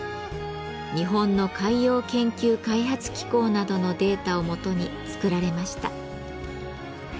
日本の海洋研究開発機構などのデータを基に作られました。